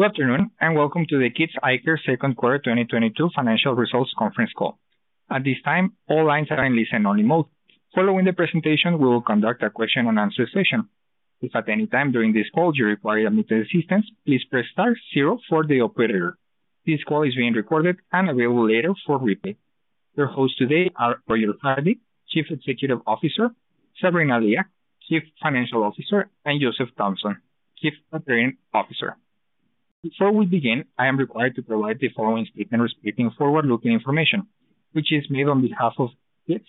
Good afternoon, and welcome to the Kits Eyecare Second Quarter 2022 Financial Results Conference Call. At this time, all lines are in listen-only mode. Following the presentation, we will conduct a question-and-answer session. If at any time during this call you require immediate assistance, please press star zero for the operator. This call is being recorded and available later for replay. Your hosts today are Roger Hardy, Chief Executive Officer, Sabrina Liak, Chief Financial Officer, and Joseph Thompson, Chief Operating Officer. Before we begin, I am required to provide the following statement respecting forward-looking information, which is made on behalf of Kits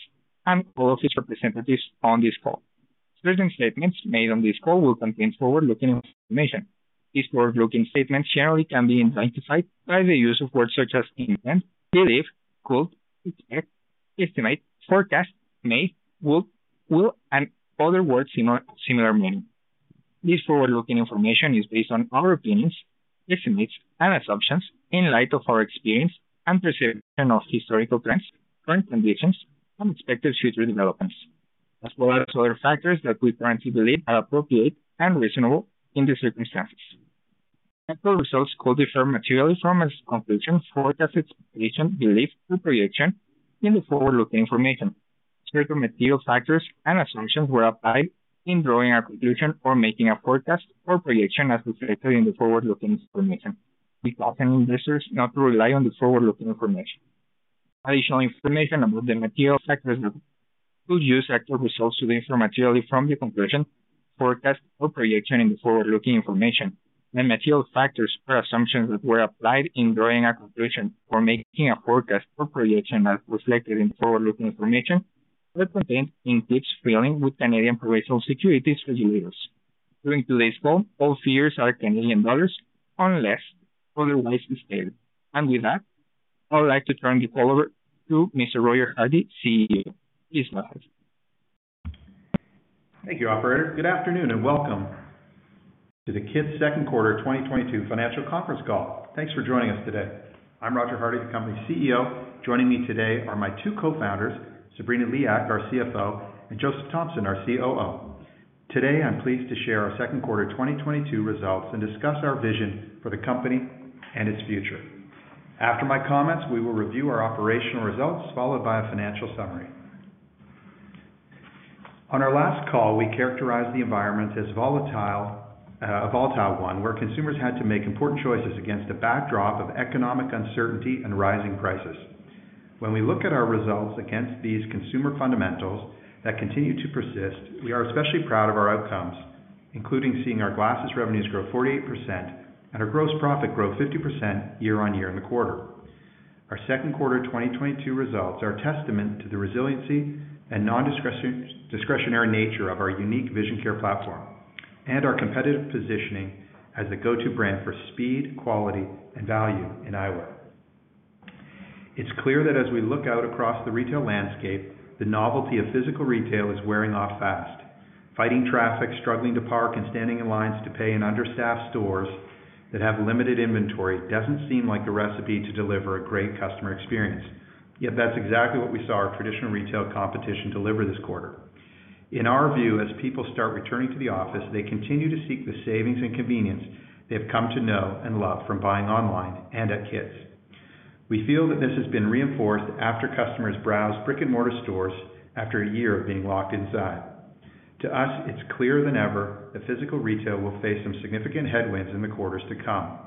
and all of its representatives on this call. Certain statements made on this call will contain forward-looking information. These forward-looking statements generally can be identified by the use of words such as intend, believe, could, expect, estimate, forecast, may, would, will, and other words of similar meaning. This forward-looking information is based on our opinions, estimates and assumptions in light of our experience and perception of historical trends, current conditions, and expected future developments, as well as other factors that we currently believe are appropriate and reasonable in the circumstances. Actual results could differ materially from those conclusions, forecasts, expectations, beliefs, or projections in the forward-looking information. Certain material factors and assumptions were applied in drawing a conclusion or making a forecast or projection as reflected in the forward-looking information. We caution investors not to rely on the forward-looking information. Additional information about the material factors that could cause actual results to differ materially from the conclusion, forecast, or projection in the forward-looking information and material factors or assumptions that were applied in drawing a conclusion or making a forecast or projection as reflected in forward-looking information is contained in Kits' filing with Canadian Provincial Securities Regulators. During today's call, all figures are Canadian dollars unless otherwise stated. With that, I would like to turn the call over to Mr. Roger Hardy, CEO. Please go ahead. Thank you, operator. Good afternoon, and welcome to the Kits Second Quarter 2022 Financial Conference Call. Thanks for joining us today. I'm Roger Hardy, the company's CEO. Joining me today are my two co-founders, Sabrina Liak, our CFO, and Joseph Thompson, our COO. Today, I'm pleased to share our second quarter 2022 results and discuss our vision for the company and its future. After my comments, we will review our operational results, followed by a financial summary. On our last call, we characterized the environment as volatile, a volatile one, where consumers had to make important choices against a backdrop of economic uncertainty and rising prices. When we look at our results against these consumer fundamentals that continue to persist, we are especially proud of our outcomes, including seeing our glasses revenues grow 48% and our gross profit grow 50% year-on-year in the quarter. Our second quarter 2022 results are a testament to the resiliency and non-discretionary nature of our unique vision care platform and our competitive positioning as the go-to brand for speed, quality, and value in eyewear. It's clear that as we look out across the retail landscape, the novelty of physical retail is wearing off fast. Fighting traffic, struggling to park, and standing in lines to pay in understaffed stores that have limited inventory doesn't seem like the recipe to deliver a great customer experience. Yet that's exactly what we saw our traditional retail competition deliver this quarter. In our view, as people start returning to the office, they continue to seek the savings and convenience they have come to know and love from buying online and at Kits. We feel that this has been reinforced after customers browse brick-and-mortar stores after a year of being locked inside. To us, it's clearer than ever that physical retail will face some significant headwinds in the quarters to come.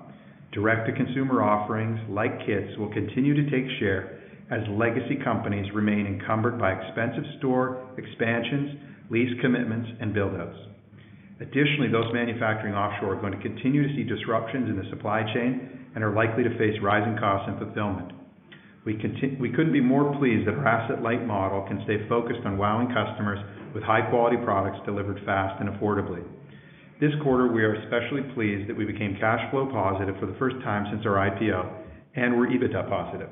Direct-to-consumer offerings like Kits will continue to take share as legacy companies remain encumbered by expensive store expansions, lease commitments, and build outs. Additionally, those manufacturing offshore are going to continue to see disruptions in the supply chain and are likely to face rising costs and fulfillment. We couldn't be more pleased that our asset-light model can stay focused on wowing customers with high-quality products delivered fast and affordably. This quarter, we are especially pleased that we became cash flow positive for the first time since our IPO, and we're EBITDA positive.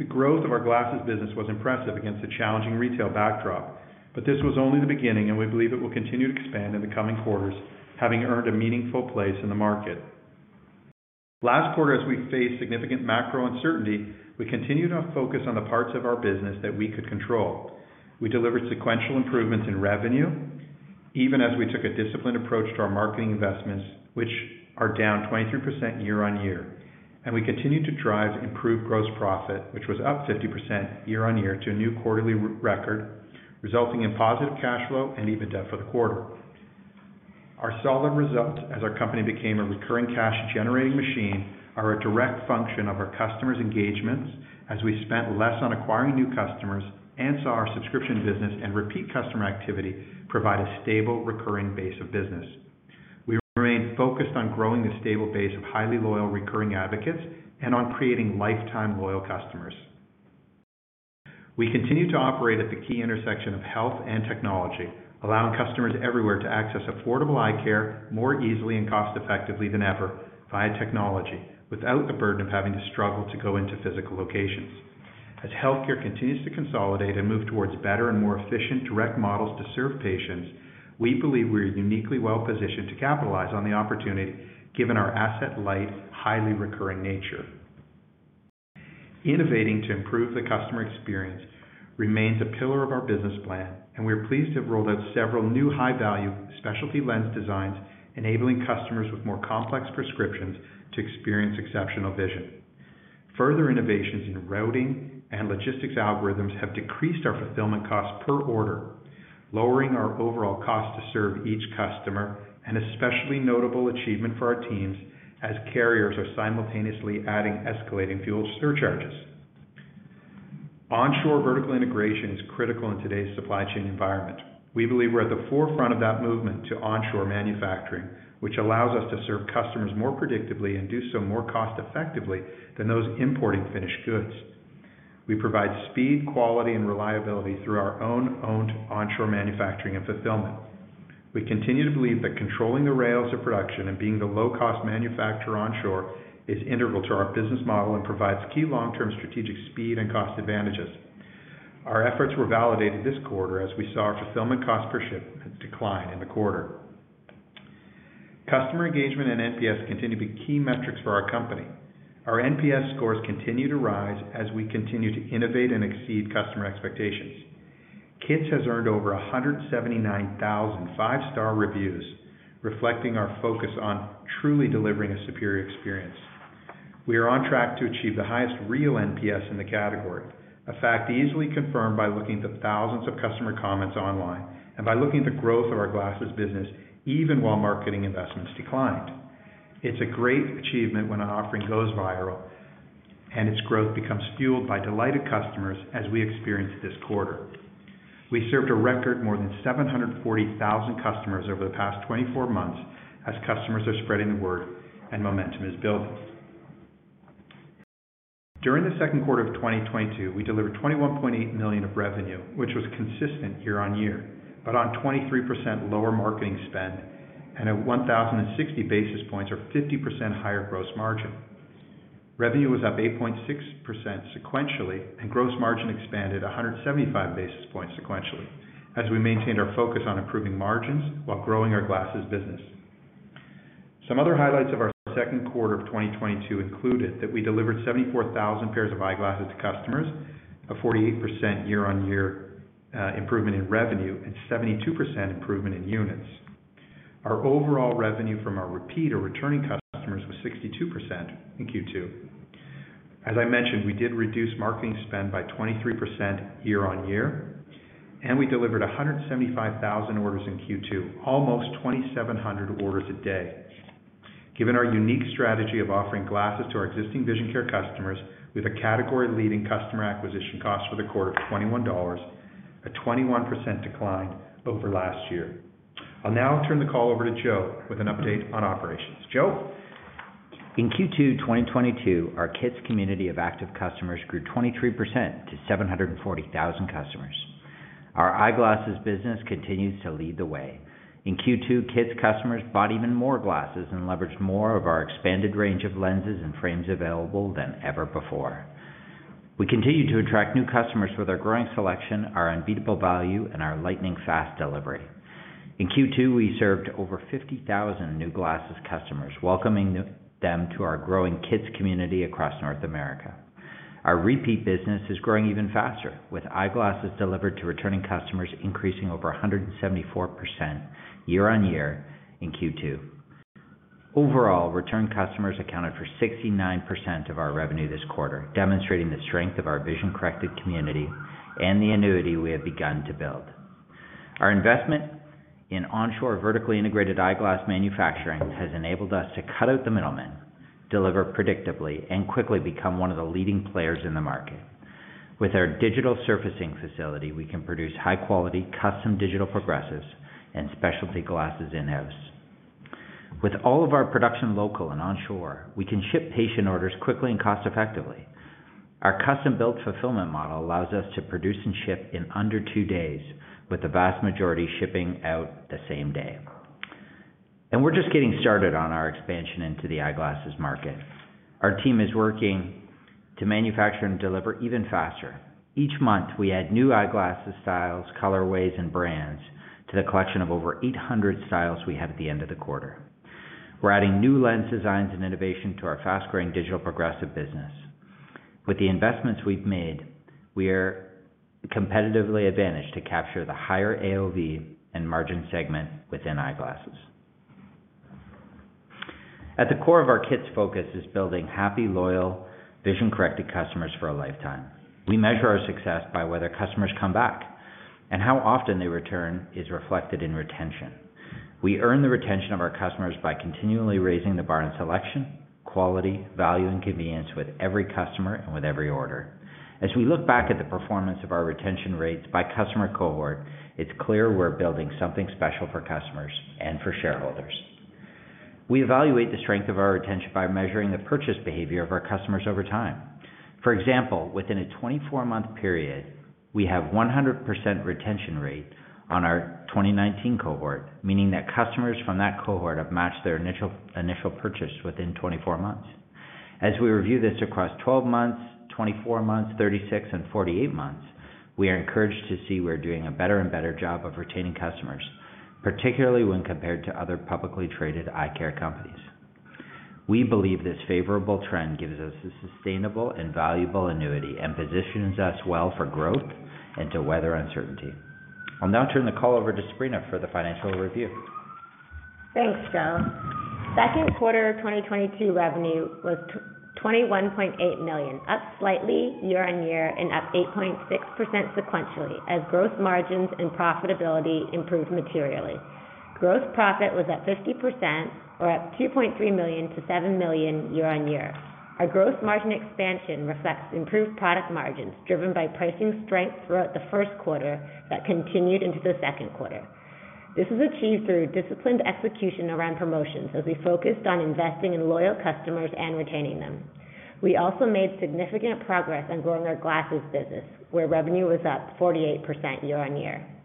The growth of our glasses business was impressive against a challenging retail backdrop, but this was only the beginning, and we believe it will continue to expand in the coming quarters, having earned a meaningful place in the market. Last quarter, as we faced significant macro uncertainty, we continued to focus on the parts of our business that we could control. We delivered sequential improvements in revenue, even as we took a disciplined approach to our marketing investments, which are down 23% year-on-year. We continued to drive improved gross profit, which was up 50% year-on-year to a new quarterly record, resulting in positive cash flow and EBITDA for the quarter. Our solid results as our company became a recurring cash-generating machine are a direct function of our customers' engagements as we spent less on acquiring new customers and saw our subscription business and repeat customer activity provide a stable, recurring base of business. We remain focused on growing the stable base of highly loyal recurring advocates and on creating lifetime loyal customers. We continue to operate at the key intersection of health and technology, allowing customers everywhere to access affordable eye care more easily and cost effectively than ever via technology without the burden of having to struggle to go into physical locations. As healthcare continues to consolidate and move towards better and more efficient direct models to serve patients, we believe we're uniquely well-positioned to capitalize on the opportunity given our asset-light, highly recurring nature. Innovating to improve the customer experience remains a pillar of our business plan, and we are pleased to have rolled out several new high-value specialty lens designs, enabling customers with more complex prescriptions to experience exceptional vision. Further innovations in routing and logistics algorithms have decreased our fulfillment costs per order, lowering our overall cost to serve each customer, an especially notable achievement for our teams as carriers are simultaneously adding escalating fuel surcharges. Onshore vertical integration is critical in today's supply chain environment. We believe we're at the forefront of that movement to onshore manufacturing, which allows us to serve customers more predictably and do so more cost effectively than those importing finished goods. We provide speed, quality, and reliability through our own owned onshore manufacturing and fulfillment. We continue to believe that controlling the rails of production and being the low-cost manufacturer onshore is integral to our business model and provides key long-term strategic speed and cost advantages. Our efforts were validated this quarter as we saw our fulfillment cost per shipment decline in the quarter. Customer engagement and NPS continue to be key metrics for our company. Our NPS scores continue to rise as we continue to innovate and exceed customer expectations. Kits has earned over 179,000 five-star reviews, reflecting our focus on truly delivering a superior experience. We are on track to achieve the highest real NPS in the category, a fact easily confirmed by looking at the thousands of customer comments online and by looking at the growth of our glasses business even while marketing investments declined. It's a great achievement when an offering goes viral and its growth becomes fueled by delighted customers, as we experienced this quarter. We served a record more than 740,000 customers over the past 24 months as customers are spreading the word and momentum is building. During the second quarter of 2022, we delivered 21.8 million of revenue, which was consistent year-on-year, but on 23% lower marketing spend and at 1,060 basis points or 50% higher gross margin. Revenue was up 8.6% sequentially, and gross margin expanded 175 basis points sequentially as we maintained our focus on improving margins while growing our glasses business. Some other highlights of our second quarter of 2022 included that we delivered 74,000 pairs of eyeglasses to customers, a 48% year-on-year improvement in revenue, and 72% improvement in units. Our overall revenue from our repeat or returning customers was 62% in Q2. As I mentioned, we did reduce marketing spend by 23% year-on-year, and we delivered 175,000 orders in Q2, almost 2,700 orders a day. Given our unique strategy of offering glasses to our existing vision care customers with a category-leading customer acquisition cost for the quarter of 21 dollars, a 21% decline over last year. I'll now turn the call over to Joseph with an update on operations. Joseph? In Q2 2022, our Kits community of active customers grew 23% to 740,000 customers. Our eyeglasses business continues to lead the way. In Q2, Kits customers bought even more glasses and leveraged more of our expanded range of lenses and frames available than ever before. We continue to attract new customers with our growing selection, our unbeatable value, and our lightning-fast delivery. In Q2, we served over 50,000 new glasses customers, welcoming them to our growing Kits community across North America. Our repeat business is growing even faster, with eyeglasses delivered to returning customers increasing over 174% year-over-year in Q2. Overall, return customers accounted for 69% of our revenue this quarter, demonstrating the strength of our vision corrected community and the annuity we have begun to build. Our investment in onshore vertically integrated eyeglass manufacturing has enabled us to cut out the middlemen, deliver predictably, and quickly become one of the leading players in the market. With our digital surfacing facility, we can produce high-quality custom digital progressives and specialty glasses in-house. With all of our production local and onshore, we can ship patient orders quickly and cost effectively. Our custom-built fulfillment model allows us to produce and ship in under two days, with the vast majority shipping out the same day. We're just getting started on our expansion into the eyeglasses market. Our team is working to manufacture and deliver even faster. Each month, we add new eyeglasses styles, colorways, and brands to the collection of over 800 styles we had at the end of the quarter. We're adding new lens designs and innovation to our fast-growing digital progressive business. With the investments we've made, we are competitively advantaged to capture the higher AOV and margin segment within eyeglasses. At the core of our Kits focus is building happy, loyal, vision corrected customers for a lifetime. We measure our success by whether customers come back, and how often they return is reflected in retention. We earn the retention of our customers by continually raising the bar in selection, quality, value, and convenience with every customer and with every order. As we look back at the performance of our retention rates by customer cohort, it's clear we're building something special for customers and for shareholders. We evaluate the strength of our retention by measuring the purchase behavior of our customers over time. For example, within a 24-month period, we have 100% retention rate on our 2019 cohort, meaning that customers from that cohort have matched their initial purchase within 24 months. As we review this across 12 months, 24 months, 36 and 48 months, we are encouraged to see we're doing a better and better job of retaining customers. Particularly when compared to other publicly traded eye care companies. We believe this favorable trend gives us a sustainable and valuable annuity and positions us well for growth and to weather uncertainty. I'll now turn the call over to Sabrina for the financial review. Thanks, Joe. Second quarter of 2022 revenue was 21.8 million, up slightly year-on-year and up 8.6% sequentially, as gross margins and profitability improved materially. Gross profit was at 50% or up 2.3 million to 7 million year-on-year. Our gross margin expansion reflects improved product margins driven by pricing strength throughout the first quarter that continued into the second quarter. This was achieved through disciplined execution around promotions as we focused on investing in loyal customers and retaining them. We also made significant progress on growing our glasses business, where revenue was up 48% year-on-year.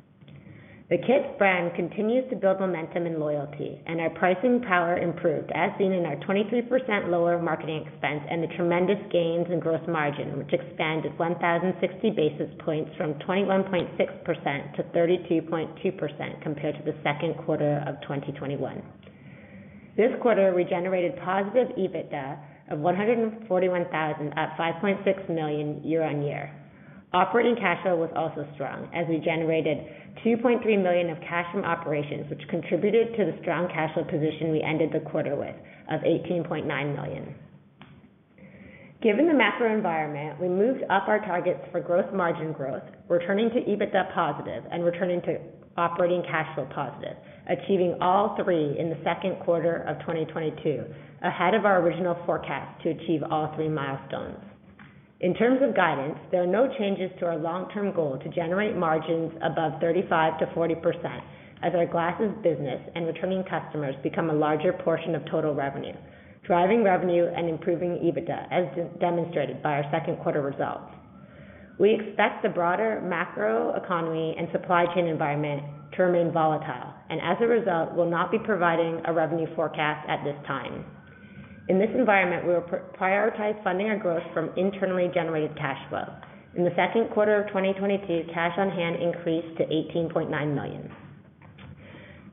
The Kits Eyecare brand continues to build momentum and loyalty, and our pricing power improved as seen in our 23% lower marketing expense and the tremendous gains in gross margin, which expanded 1,060 basis points from 21.6% to 32.2% compared to the second quarter of 2021. This quarter, we generated positive EBITDA of 141 thousand, up 5.6 million year-over-year. Operating cash flow was also strong as we generated 2.3 million of cash from operations, which contributed to the strong cash flow position we ended the quarter with of 18.9 million. Given the macro environment, we moved up our targets for growth margin growth, returning to EBITDA positive and returning to operating cash flow positive, achieving all three in the second quarter of 2022, ahead of our original forecast to achieve all three milestones. In terms of guidance, there are no changes to our long-term goal to generate margins above 35%-40% as our glasses business and returning customers become a larger portion of total revenue, driving revenue and improving EBITDA, as demonstrated by our second quarter results. We expect the broader macro economy and supply chain environment to remain volatile and as a result, will not be providing a revenue forecast at this time. In this environment, we will prioritize funding our growth from internally generated cash flow. In the second quarter of 2022, cash on hand increased to CAD 18.9 million.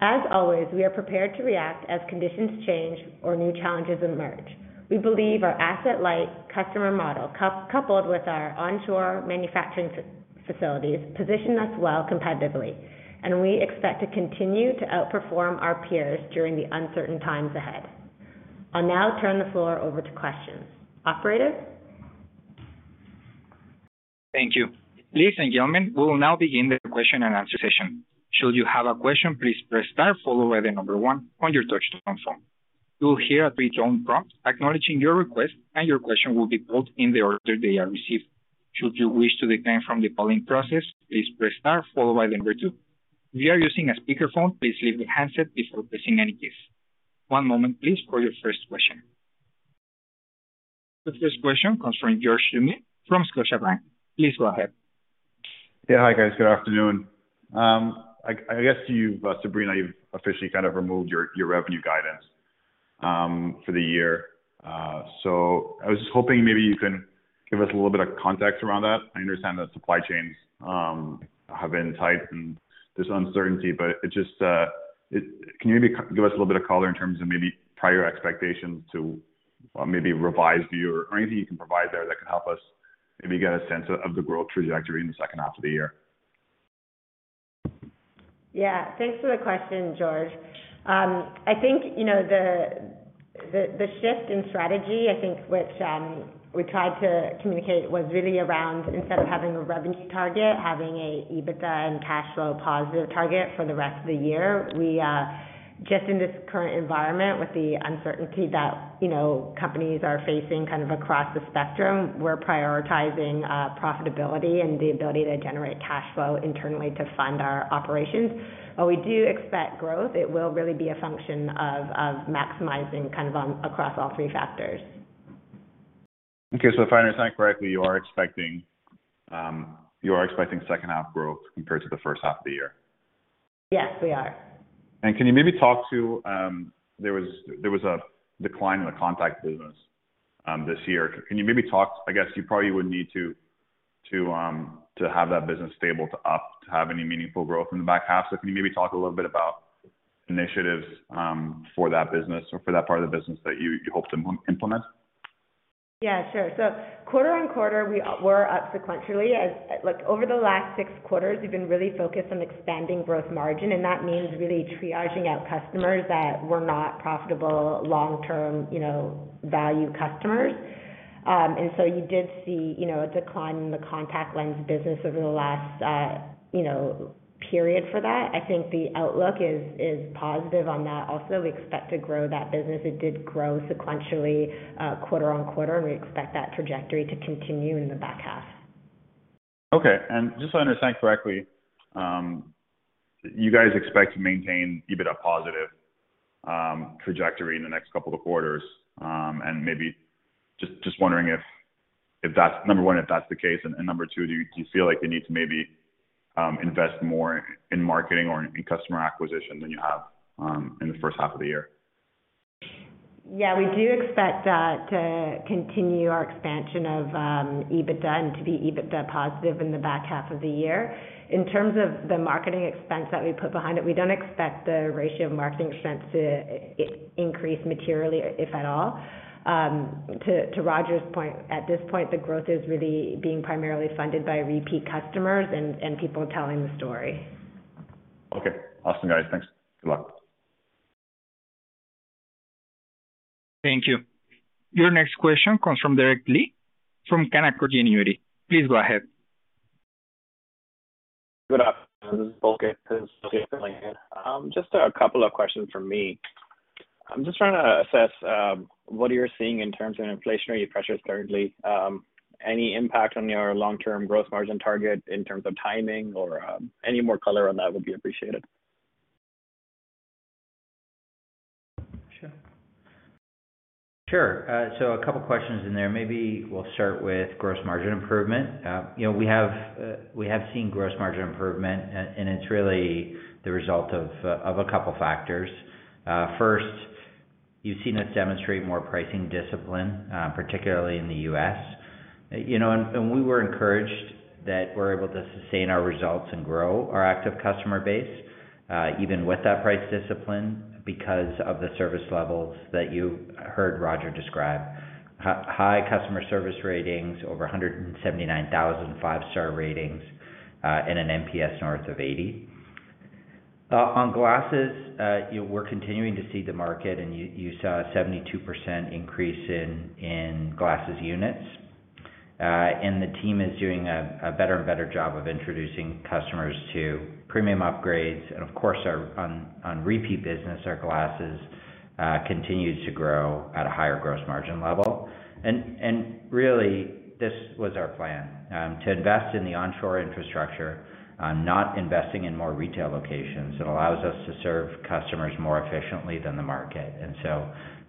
As always, we are prepared to react as conditions change or new challenges emerge. We believe our asset-light customer model, coupled with our onshore manufacturing facilities, position us well competitively, and we expect to continue to outperform our peers during the uncertain times ahead. I'll now turn the floor over to questions. Operator? Thank you. Ladies and gentlemen, we will now begin the question and answer session. Should you have a question, please press star followed by the number one on your touchtone phone. You will hear a three-tone prompt acknowledging your request, and your question will be put in the order they are received. Should you wish to decline from the polling process, please press star followed by number two. If you are using a speakerphone, please lift the handset before pressing any keys. One moment please for your first question. The first question comes from George Doumet from Scotiabank. Please go ahead. Yeah. Hi, guys. Good afternoon. I guess you've, Sabrina, you've officially kind of removed your revenue guidance for the year. I was just hoping maybe you can give us a little bit of context around that. I understand that supply chains have been tight and there's uncertainty. Can you maybe give us a little bit of color in terms of maybe prior expectations to maybe revised view or anything you can provide there that can help us maybe get a sense of the growth trajectory in the second half of the year? Yeah. Thanks for the question, George. I think, you know, the shift in strategy, I think, which we tried to communicate was really around instead of having a revenue target, having an EBITDA and cash flow positive target for the rest of the year. We just in this current environment with the uncertainty that, you know, companies are facing kind of across the spectrum, we're prioritizing profitability and the ability to generate cash flow internally to fund our operations. While we do expect growth, it will really be a function of maximizing kind of across all three factors. If I understand correctly, you are expecting second half growth compared to the first half of the year? Yes, we are. Can you maybe talk about the decline in the contact business this year. I guess you probably would need to have that business stable to have any meaningful growth in the back half. Can you maybe talk a little bit about initiatives for that business or for that part of the business that you hope to implement? Yeah, sure. Quarter-over-quarter, we were up sequentially. Like, over the last six quarters, we've been really focused on expanding growth margin, and that means really triaging out customers that were not profitable long-term, you know, value customers. You did see, you know, a decline in the contact lens business over the last, you know, period for that. I think the outlook is positive on that. Also, we expect to grow that business. It did grow sequentially, quarter-over-quarter, and we expect that trajectory to continue in the back half. Okay. Just so I understand correctly, you guys expect to maintain EBITDA positive trajectory in the next couple of quarters. Just wondering if that's number one, if that's the case, and number two, do you feel like you need to maybe invest more in marketing or in customer acquisition than you have in the first half of the year? Yeah, we do expect to continue our expansion of EBITDA and to be EBITDA positive in the back half of the year. In terms of the marketing expense that we put behind it, we don't expect the ratio of marketing expense to increase materially, if at all. To Roger's point, at this point, the growth is really being primarily funded by repeat customers and people telling the story. Okay. Awesome, guys. Thanks. Good luck. Thank you. Your next question comes from Derek Lee from Canaccord Genuity. Please go ahead. Good afternoon. This is. Just a couple of questions from me. I'm just trying to assess what you're seeing in terms of inflationary pressures currently. Any impact on your long-term growth margin target in terms of timing or any more color on that would be appreciated. Sure. Sure. So a couple questions in there. Maybe we'll start with gross margin improvement. You know, we have seen gross margin improvement, and it's really the result of a couple factors. First, you've seen us demonstrate more pricing discipline, particularly in the U.S. You know, we were encouraged that we're able to sustain our results and grow our active customer base, even with that price discipline because of the service levels that you heard Roger describe. High customer service ratings, over 179,000 five-star ratings, and an NPS north of 80. On glasses, you know, we're continuing to see the market, and you saw a 72% increase in glasses units. The team is doing a better and better job of introducing customers to premium upgrades. Of course, on repeat business, our glasses continue to grow at a higher gross margin level. Really, this was our plan to invest in the onshore infrastructure, not investing in more retail locations. It allows us to serve customers more efficiently than the market.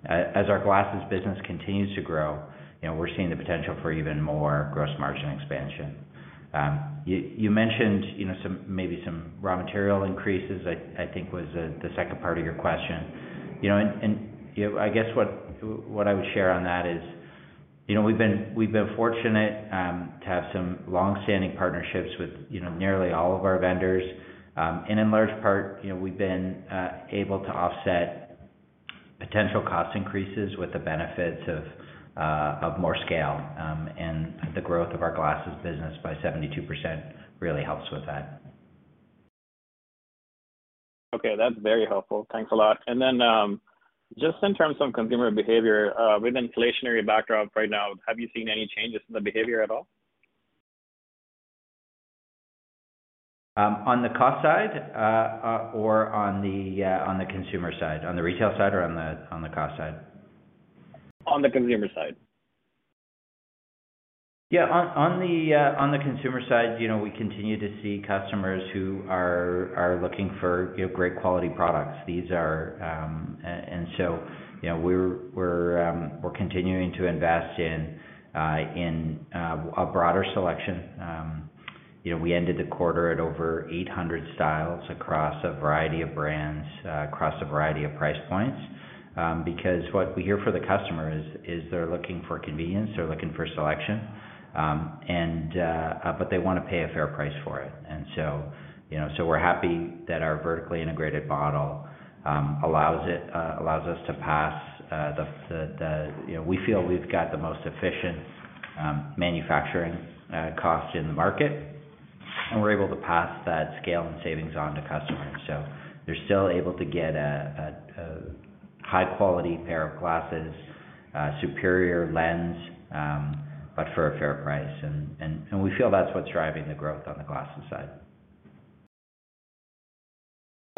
As our glasses business continues to grow, you know, we're seeing the potential for even more gross margin expansion. You mentioned, you know, some, maybe some raw material increases I think was the second part of your question. You know, I guess what I would share on that is, you know, we've been fortunate to have some long-standing partnerships with, you know, nearly all of our vendors. In large part, you know, we've been able to offset potential cost increases with the benefits of more scale, and the growth of our glasses business by 72% really helps with that. Okay. That's very helpful. Thanks a lot. Just in terms of consumer behavior, with inflationary backdrop right now, have you seen any changes in the behavior at all? On the cost side, or on the consumer side? On the retail side or on the cost side? On the consumer side. Yeah. On the consumer side, you know, we continue to see customers who are looking for, you know, great quality products. These are so, you know, we're continuing to invest in a broader selection. You know, we ended the quarter at over 800 styles across a variety of brands across a variety of price points. Because what we hear for the customer is they're looking for convenience, they're looking for selection, and but they wanna pay a fair price for it. You know, so we're happy that our vertically integrated model allows us to pass the. You know, we feel we've got the most efficient, manufacturing, cost in the market, and we're able to pass that scale and savings on to customers. They're still able to get a high quality pair of glasses, superior lens, but for a fair price. We feel that's what's driving the growth on the glasses side.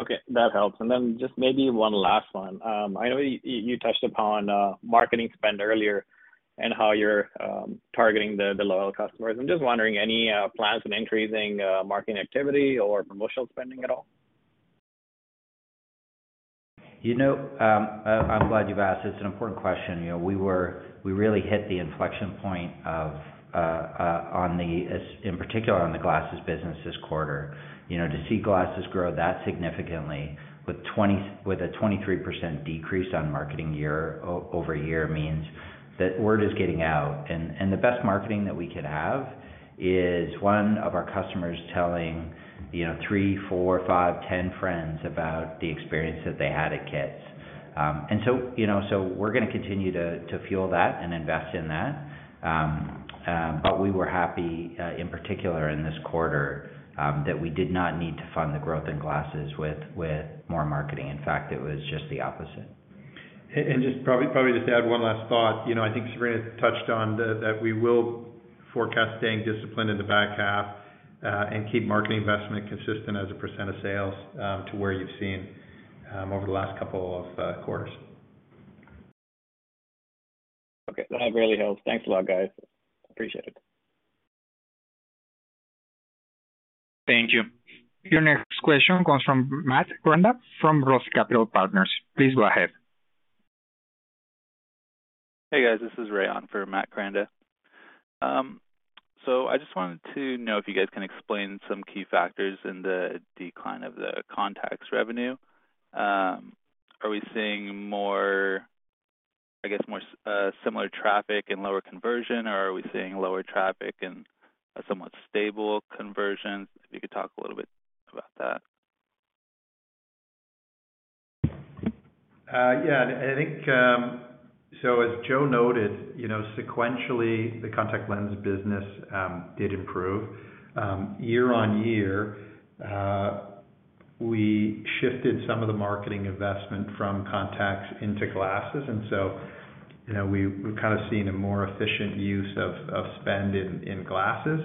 Okay. That helps. Just maybe one last one. I know you touched upon marketing spend earlier and how you're targeting the loyal customers. I'm just wondering, any plans on increasing marketing activity or promotional spending at all? You know, I'm glad you've asked. This is an important question. You know, we really hit the inflection point of, in particular on the glasses business this quarter. You know, to see glasses grow that significantly with a 23% decrease on marketing year-over-year, means that word is getting out. The best marketing that we could have is one of our customers telling, you know, three, four, five, 10 friends about the experience that they had at Kits. You know, we're gonna continue to fuel that and invest in that. We were happy, in particular in this quarter, that we did not need to fund the growth in glasses with more marketing. In fact, it was just the opposite. Just probably just to add one last thought. You know, I think Sabrina touched on that we will forecast staying disciplined in the back half, and keep marketing investment consistent as a percent of sales, to where you've seen over the last couple of quarters. Okay. That really helps. Thanks a lot, guys. Appreciate it. Thank you. Your next question comes from Matt Koranda from ROTH Capital Partners. Please go ahead. Hey guys, this is Ryan for Matt Koranda. I just wanted to know if you guys can explain some key factors in the decline of the contacts revenue. Are we seeing more, I guess, similar traffic and lower conversion, or are we seeing lower traffic and a somewhat stable conversion? If you could talk a little bit about that. I think, so as Joe noted, you know, sequentially, the contact lens business did improve. Year-on-year, we shifted some of the marketing investment from contacts into glasses and so, you know, we've kinda seen a more efficient use of spend in glasses.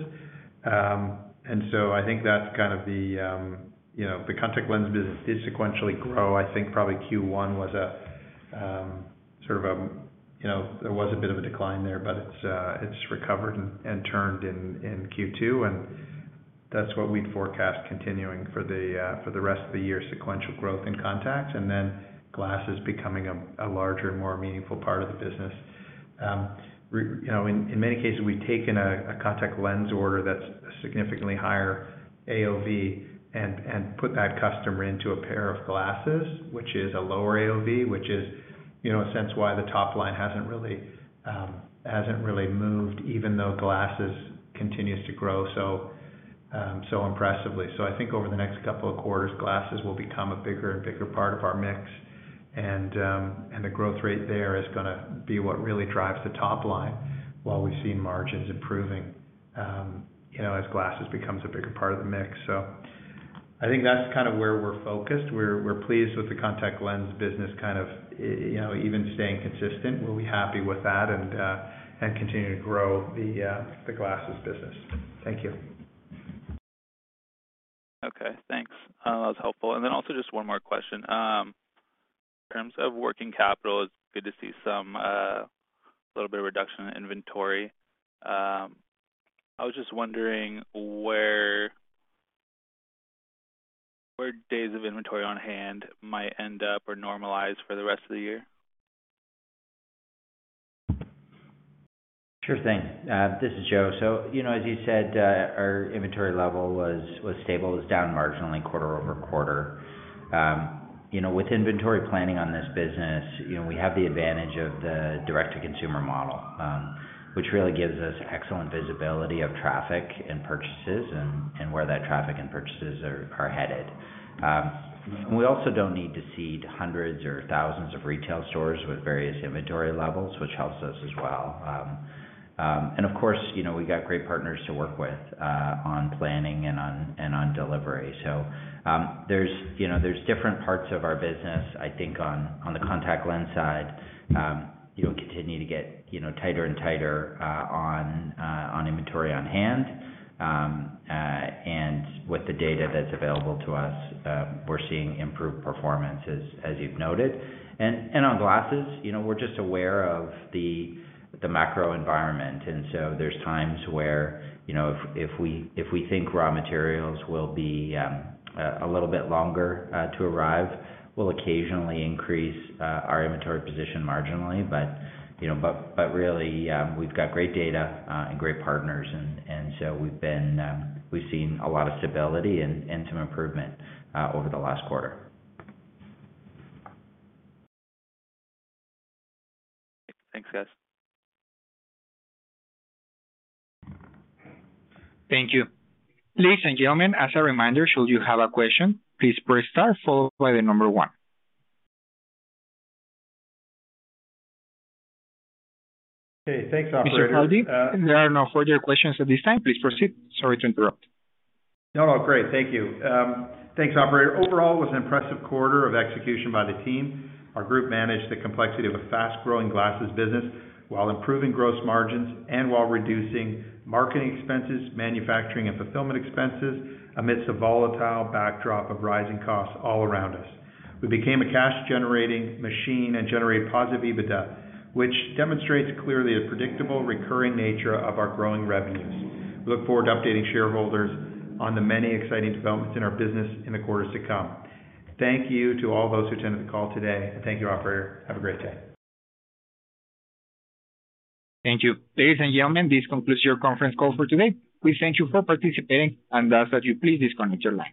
I think that's kind of the, you know, the contact lens business did sequentially grow. I think probably Q1 was a sort of, you know, there was a bit of a decline there, but it's recovered and turned in Q2, and that's what we'd forecast continuing for the rest of the year, sequential growth in contacts, and then glasses becoming a larger, more meaningful part of the business. You know, in many cases, we've taken a contact lens order that's significantly higher AOV and put that customer into a pair of glasses, which is a lower AOV, which is, you know, in a sense why the top line hasn't really moved even though glasses continues to grow so impressively. I think over the next couple of quarters, glasses will become a bigger and bigger part of our mix, and the growth rate there is gonna be what really drives the top line while we've seen margins improving, you know, as glasses becomes a bigger part of the mix. I think that's kind of where we're focused. We're pleased with the contact lens business, kind of, you know, even staying consistent. We'll be happy with that and continue to grow the glasses business. Thank you. Okay, thanks. That was helpful. Also just one more question. In terms of working capital, it's good to see some, a little bit of reduction in inventory. I was just wondering where days of inventory on hand might end up or normalize for the rest of the year. Sure thing. This is Joe. You know, as you said, our inventory level was stable. It was down marginally quarter-over-quarter. You know, with inventory planning on this business, you know, we have the advantage of the direct-to-consumer model, which really gives us excellent visibility of traffic and purchases and where that traffic and purchases are headed. We also don't need to seed hundreds or thousands of retail stores with various inventory levels, which helps us as well. Of course, you know, we've got great partners to work with on planning and on delivery. There's, you know, different parts of our business, I think on the contact lens side, you'll continue to get, you know, tighter and tighter on inventory on hand. With the data that's available to us, we're seeing improved performance as you've noted. On glasses, you know, we're just aware of the macro environment, and so there's times where, you know, if we think raw materials will be a little bit longer to arrive, we'll occasionally increase our inventory position marginally. You know, really, we've got great data and great partners and so we've seen a lot of stability and some improvement over the last quarter. Thanks, guys. Thank you. Ladies and gentlemen, as a reminder, should you have a question, please press star followed by the number one. Okay, thanks, operator. Mr. Hardy, there are no further questions at this time. Please proceed. Sorry to interrupt. No, no, great. Thank you. Thanks, operator. Overall, it was an impressive quarter of execution by the team. Our group managed the complexity of a fast-growing glasses business while improving gross margins and while reducing marketing expenses, manufacturing, and fulfillment expenses amidst a volatile backdrop of rising costs all around us. We became a cash-generating machine and generated positive EBITDA, which demonstrates clearly the predictable recurring nature of our growing revenues. We look forward to updating shareholders on the many exciting developments in our business in the quarters to come. Thank you to all those who attended the call today, and thank you, operator. Have a great day. Thank you. Ladies and gentlemen, this concludes your conference call for today. We thank you for participating and ask that you please disconnect your lines.